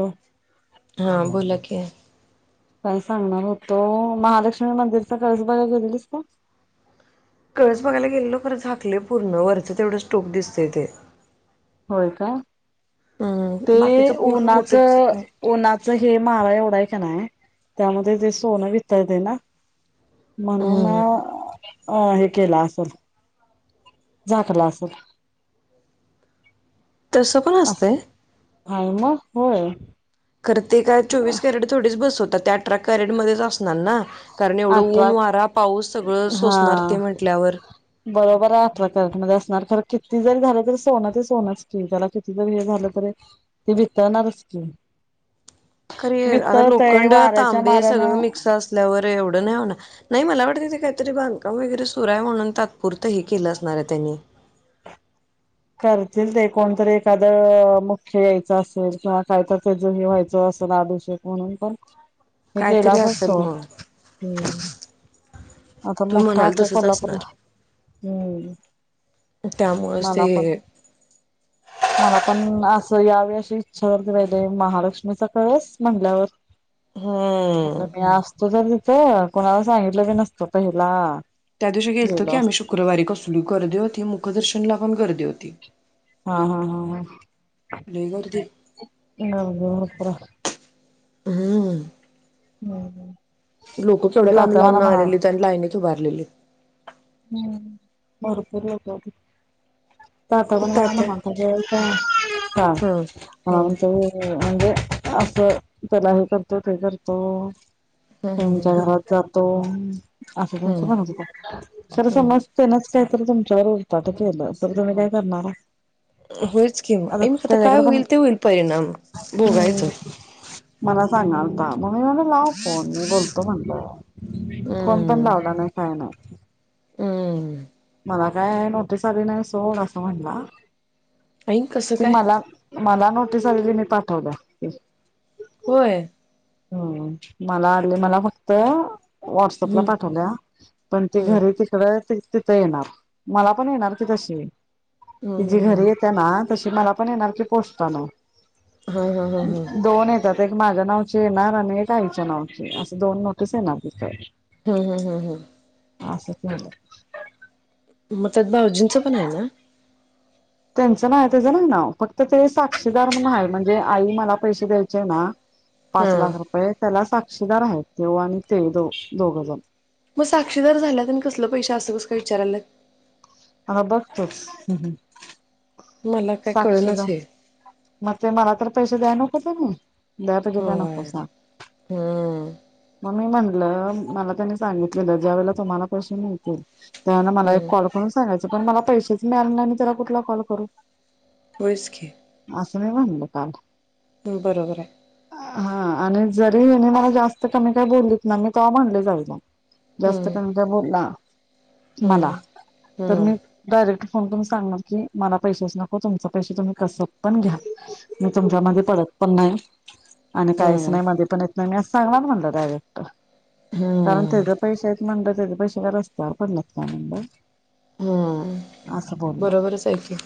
हो. हा बोला की काय सांगणार होतो महालक्ष्मी मंदिरचा कळस बघाय गेलेलीस काय कळस बघायला गेलेलो खरं झाकलंय पूर्ण वरचं तेवढंच टोक दिसतंय ते होय काय ते हम्म बाकीचं पूर्ण मोठं दिसत उन्हाचं नाही. उन्हाचं हे मारा एवढा आहे का नाय त्यामुळं ते जे सोनं वितळतंय ना म्हणून हम्म अ हे केलं असलं झाकलं असलं तसं पण असतंय हा मग होय खरं ते काय चोवीस कॅरेट थोडीच बसवतात ते अठरा कॅरेट मध्येच असणार ना कारण एवढं ऊन अठरा वारा पाऊस सगळं हा सोसणार ते म्हटल्यावर बरोबर आहे अठरा कॅरेट मध्ये असणार खरं किती जरी झालं तरी सोनं ते सोनंच की त्याला किती जरी हे झालं तरी ते वितळणारचं की [inaudible] खरं हे आता वितळतय लोखंड वाऱ्याच्या तांबे सगळं मारानं मिक्स असल्यावर एवढं नाही मला वाटतंय ते काहीतरी बांधकाम वगैरे सुरू आहे म्हणून तात्पुरतं हे केलं असणार आहे त्यांनी [unintelligible] करतील ते कोणतरी एखादं मुख्य यायचं असलं किंवा काहीतर त्याचं हे व्हायचं पण अभिषेक म्हणून पण हे केलं कायतरी असलं असेल सोड मग. हम्म्म आता तुम्ही मोठा म्हणाल आख्या तसंच कोल्हापूरला असणार. हम्म त्यामुळेच मला ते पण मला पण अ तर यावेळी अशी इच्छावरती राहिल्या महालक्ष्मीचा कळस म्हंटल्यावर हम्म्म तू तर तिथं कोणाला सांगितलं बी नसतं पहिला त्या दिवशी गेलतो की गेलो आम्ही असतो शुक्रवारी कसली गर्दी होती मुखदर्शनला पण गर्दी होती हा हा लई गर्दी हा हा हम्म हम्म लोकं केवढ्या लांब तात्या मला लांबणं म्हणाला आलेलित आणि लाईनीत उभारलेली हम्म भरपूर लोकं होती काका पण मला तात्या म्हणालता गं जा हा हम्म हा हम्म जाऊन ये म्हणजे असं त्याला हे करतो ते करतो हम्म त्यांच्या हम्म घरात जातो असं तसं हम्म म्हणत होता खरं हम्म समज त्यानचं काहीतरी तुमच्यावर उरपाट केलं असतं तर तुम्ही काय करणारा होयंच कि मग ऐं आता काय पण होईल ते होईल परिणाम हम्म भोगायचं मला सांगालता म्हणून मी म्हटलं लाव फोन मी बोलतो म्हणलं फोन पण लावला नाही काय नाही हम् मला काय नोटीस आली नाही सोड असं म्हणला ऐन कसं ती काय मला मला नोटीस आलेली मी पाठवल्या होय हम्म मला आलेली मला फक्त व्हॉट्स‌ॲपला हम्म पाठवल्या पण ती हम्म घरी तिकडं ते तिथं येणार मला पण येणार की तशी हम्म ती जी हम्म हम्म घरी येते ना तशी मला पण येणार की पोस्टानं हा हा हा हा दोन येतात एक माझ्या नाव येणार आणि एक आईच्या नावची असं दोन नोटीस येणार तिथं हम् हम् हम्म हम् असंच म्हटला मग त्यात भाऊजींचं पण आहे ना त्यांचं नाही त्याचं नाही नाव फक्त ते साक्षीदार म्हणून आहे म्हणजे आई मला पैसे द्यायची आहे ना पाच हा लाख रुपये त्याला साक्षीदार आहेत ते आणि ते दो दोघं जण मग साक्षीदार झाल्यात आणि कसलं पैश असं कस का विचारायला हा बघत हम् हम् मला काय कळनास हे मग ते मला तर पैसे द्या नको त म द्या पैजे का नको होय सां हम्म मग मी म्हटलं मला त्यांनी सांगितलेलं ज्या वेळेला तुम्हाला पैसे मिळतील त्या मला हम्म कॉ सांगायच पण मला पैसेच मिळाले नई त्याला कुठला कॉल करू होय च की ल काल बरोबर आहे हा आणि जरी ये मला जास्त कमी काय बोललीत ना मी त म्हनले जाऊ जास्त कमी काय बोलला मला हम् तर मी डायरेक्ट फोन करून सांगणार की मला पैशच नको हो तुम पैश तुम्ही कस पण घ्या मी तुमच्या हम्म मध्ये पडत पण नाही आणि काहीच हम्म नाही मध्ये पण येत नाही मी अस सांगणार म्हणलं डायरेक्ट कारण हम्म त्याचे पैसे आहेत म्हणलं त्याचे पैसे का रस्त्यावर पडल्यात का म्हणड हम्म [inaudible] बरोबरच हे की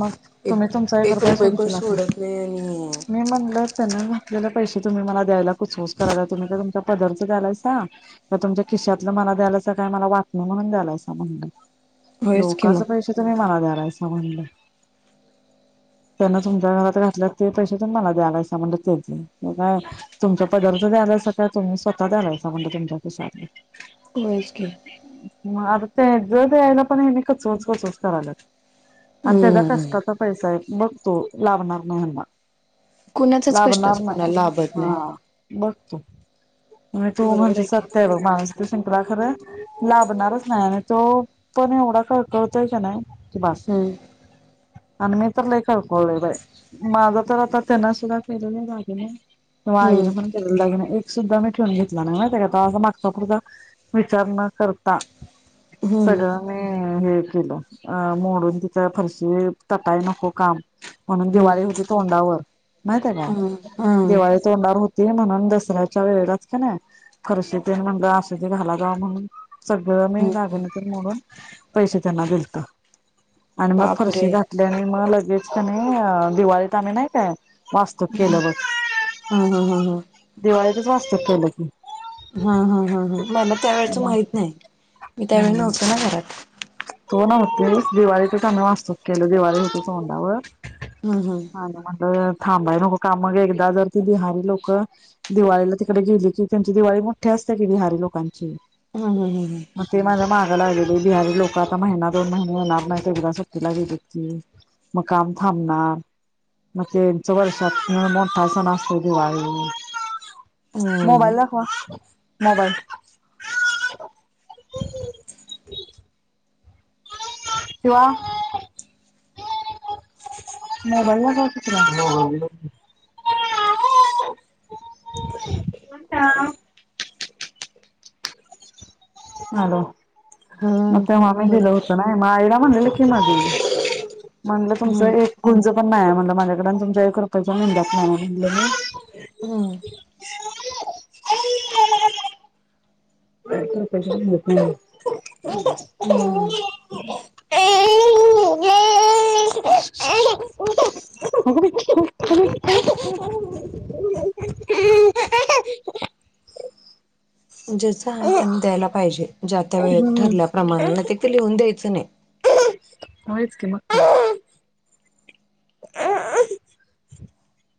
मग तुम्ही तुमचा एक रुपया रुपये सोडू कोण शकत नाही सोडत आणि मी म्हणलं ते ना ज पैसे तुम्ही मला द्यायला कुसकूस करायला तुम्ही का तुमचा पदरच द्यायला सां तुमच्या खिशातला ला द्यायलासा मला वाटन नाही म्हणून द्यालायं म्हण होयच की लोकच मग पैश तुम्ही मला द्यायलासा म्हणलंय त्यांना तुमच्या घरात घातल्या ते पैसे प मला द्याला म्हण ते तुमच्या पद द्याय का तुम्ही स्वतः द्यायालासा म्हणले तुमच्या खिशात न होय च की मग आता ते जर यायला पण मी कूच कूच कूच कूच करायलात त्याचा हम्म कष्टाचा पैसा बघतो लाभणार नाही ह्याना कुणाच्याच लाभणार कष्टाच नाही कुणाला लाभत हा नाही बघ म्ह तो बरोबर म्हणत की सत्य आहे बघ माणस खरं लाभणारच नाही आणि तो पण एवढा कळकळतोय का नाही क बास हम्म आणि मी तरलई कळकळलं बाइ माझं तर आता त्यांना सुद्धा केलेलं दागिने नाही तवा आई हम्म न पण केलेले दागिने सुद्धा मी ठेवून घेतला नाही म त्या मागचा पुधचा विचार न करता हम्म सगळ्यांनी हे केलं मोडून तिथ तटाई नको काम म्हणून हम्म दिवाळी होती तोंडावर माहत ना हम्म हम्म दिवाळी तोंडार होती म्हणून दसऱ्याच्या वेळेलाच का नाही खर्शी ते मंग असे ते घाला जा म्हणून सगळं मी दागिने पण मोडून पैसे दिलंत आणि मग फरशी बापरे घातली आणि लगेच त्यां दिवाळीत आम्ही नाही काय वास्तूक केलं बघ हा हा हा हा वास्तू केलं की हा हा हा हा मला त्यावेळेच मग माहित नाही मी त्यावेळी नव्हते ना घरात तो नव्हते दिवाळीचम्ही वास्तूक केलं दिवाळी होती तोंडावर हम्म हम्म आणि म्हटलं थांबाय नको का मग एकदा जर ती बिहारी लोक दिवाळीला तिकडे गेली कि त्यांची दिवाळी मोठ्या क बहारी लोकांची हा हा हा हा मग ते [unintelligible] बिहारी लोक आता महिना दोन महिने येणार नाहीत एकदा सुट्टीला गेले की, मग काम थांबणार. मग त्यांच वर्षातनं मोठ्ठा सण असतो दिवाळी हम्म मोबाईल दाखवा. मोबाईल किंवा मोबाईल दाखवा. [unintelligible] [unintelligible] हॅलो मग हम्म तेव्हा मी बोल दिलं होत ना, मग आईला म्हटलं होतं की मधी. म्हणलं हम्म तुमचं एक गुंज पण नाहीये म्हंटल माझ्याकडं आणि तुमच्या एक रुपयाच्या मिन्द्यात नाही म्हणलं मी. हम्म [inaudible] [unintelligible] हं. अग बाई, अगं बाई [unintelligible] [inaudible] ज्याच आहे त्यांना द्यायला पाहिजे. ज्या त्या वेळेत हम्म ठरल्याप्रमाणं नाही तर ते लिहून द्यायचं नाही. होयच की मग काय. [unintelligible]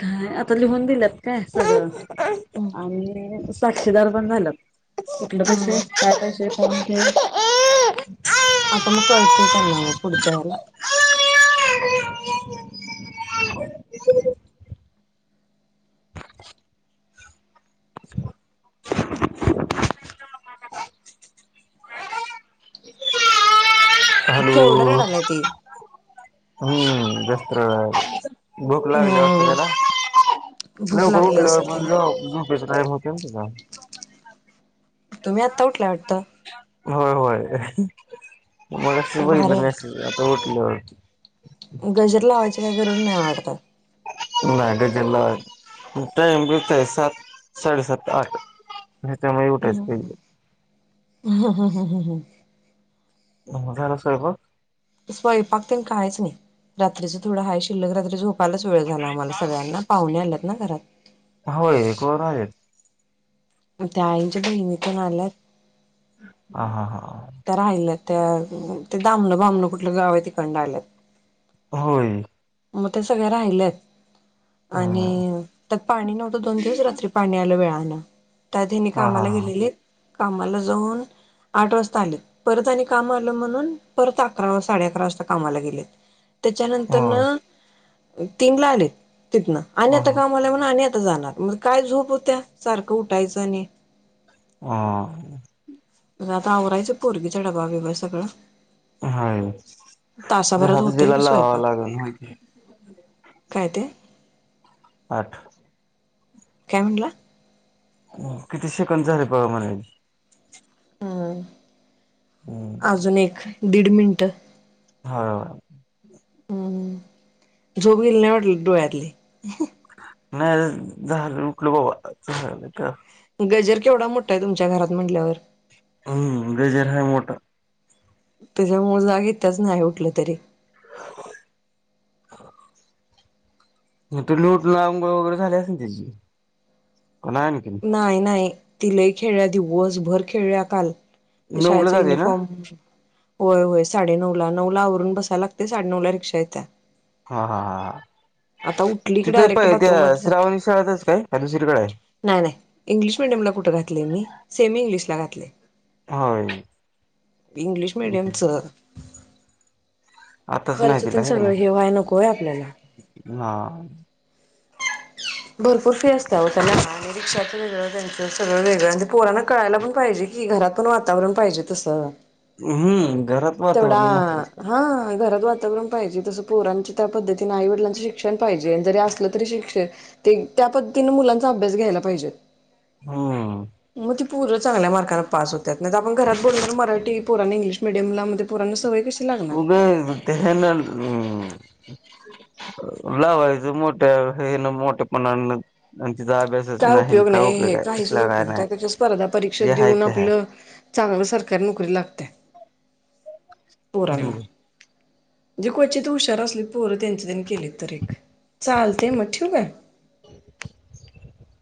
काय आता लिहून दिल्यात काय सगळं आणि साक्षीदार पण झाल्यात. कुठलं हम्म पैसे, काय पैसे कोण ते आता मग कळतंय त्यांना मग पुढच्या हेला [inaudible] [inaudible] केवढ हॅलो रडायलाय ती. हम्म, जास्त रडायल्या. भूक लागल्या वाटत हम्म त्याला, भूक लवकर लागली उठल्यावर असेल पण तिला झोपच टाईम होतंय. थांब कि जरा. तुम्ही आत्ता उठलाय वाटतं? होय, होय. मघाशीच भारी बघितलं मेसेज आत्ता उठल्यावरती. गजर लावायची काही गरज नाही वाटत. नाही गजर लावायची. टाइम [unintelligible] सात, साडे सात, आठ याच्यामध्ये उठायचं कधी बी. [unintelligible] मग झाला स्वयंपाक? स्वयंपाक तेन काहीच नाही. रात्रीचा थोडं हाय शिल्लक रात्री झोपायलाच वेळ झाला आम्हाला सगळ्यांना पाहुणे आल्यात ना घरात. होय कोण आहेत त्या आईंच्या बहिणी तेन आल्यात हा, हा, हा. त्या राहिल्यात त्या ते दामणं बामणं कुठलं गाव तिकंड आल्यात. होय. मग ते सगळे राहिलेत. आणि हम्म. त्यात पाणी नव्हतं दोन दिवस, रात्री पाणी आलं वेळानं. त्यात हेनी हा हा कामाला हा गेलेलीत. कामाला जाऊन आठ वाजता आलेत परत आणि काम आलं म्हणून परत अकरा, साडे अकरा वाजता कामाला गेलेत. होय त्याच्यानंतरनं तीनला आलेत तिथनं ह आणि आता काम आलंय म्हण जाणार, मग काय झोप होत्या सारखं उठायचं आणि हा. आता आवरायचं पोरगीचा डबा बीबा सगळा. हाय, [unintelligible] होते दिला लावाव‌ं स्वयंपाक लागेल माहीतेय. काय ते? आठ काय म्हनला किती शे कं झा र प मला होय,, हो अजून एक दीड मिनटं.. हा. झोप गेली नाही वाटलं डोळ्यातलीऽ नाही, झाल उठलो बाबा. झाऽऽ गजर केवढा मोठाय तुमच्या घरात म्हटल्यावरऽऽ हम्म,, गजर लय मोठाय... त्याच्यामुळे जाग ईत्याच त्याच नाही उठलं तरी.. हो, मग तूमी उटवूटन आंगोळ वगैरे झाली आसलं त्याचीऽऽ नाही, नाही ति लय खेळ्या,, दिवसभर खेळल्या काल... ते नऊला शाळेच जाते ना युनिफॉर्म. होय, होय, साडेनऊ ला. नऊ ला आवरून बसाय लागतय साडे नऊ ला रिक्षा येत्या.. हा हा हा हा.. आता उठली की तिथे डायरेक्ट पय त्या बाथरूम मध्ये जाते श्रावणी शाळेतच काय? दुसरीकडे आहे.. नाही इंग्लिश मिीडियमला कुठं घातलय मी,, सेमी इंग्लिशला घातलय.. होय इंग्लिश मीडियमचं,, आताच नाही तिला खर्चातून आहे का सगळं नाही हेवाय नको वय आपल्याला.. हा भरपूर फी असता वो तला. रिक्ाचं वेगळं, त्यांचं सगळं वेगळं, ते पोराना कळायला पण पाहिजे की, घरात पण वातावरण पाहिजे तसं.. हम्म घरात तेवढा वातावरण महत्वाचं हा ऽऽघरात. वातावरण पायजे, पोरां त्या पद्धतीने आई वडलां शिक्षण पाहिजे, ज असलं तरी शषऽऽ त्या पद्तीने मुलांचा अभ्यास घेयला पायजे,, हम्म मगऽऽ पोरं चांगल्या मार्काने पास होतात,, आपण घरात बोलल तर मराठी पोरांना इंग्लिश मिडियमला मणऽऽ उगे,, त नाम लावायच मोठ्या, हेन मोठ्यापणा.. काय उपयोग नाही,, हे काही सुद्धा काय उपयोग नाही नाहीच्या स्पर्धा परीक्षा जे आहे देऊन ते आहे आपलंऽऽ चांगलं सरकारी नोकरी लागत्या,, पोरांना. णजे क्वचित हुशार असली पोरं त्यांचे त्यांनी केले तर एक,,, चालतय मी ठिव काय? [unintelligible]